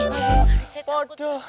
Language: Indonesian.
aduh saya takut bodo